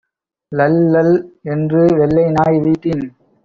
ளள் ளள் என்று வெள்ளை நாய், வீட்டின்